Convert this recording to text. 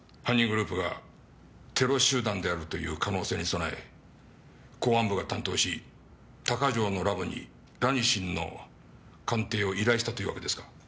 犯人グループがテロ集団であるという可能性に備え公安部が担当し鷹城のラボにラニシンの鑑定を依頼したというわけですか？